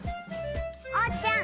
おうちゃん